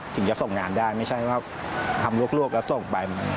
ถึงจะส่งงานได้ไม่ใช่ว่าทำลวกแล้วส่งไป